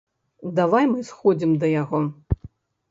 Давай мы сходзім да яго.